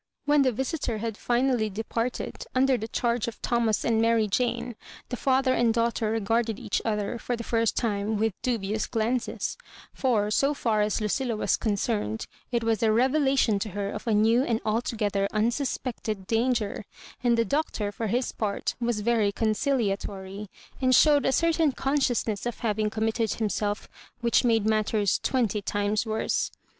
When the visitor had finally departed, under the charge of Thomas and Mary Jane, the father and daugh ter regarded each other, fbr' the first time, with dubious glances — for, so far as Lucilla was con cerned, it was a revelation to her of a new and altogether unsuspected danger; and the Doc tor, for his part, was very conciliatory, and showed a certain consciousness of having committed himself which made matters twenty times worse.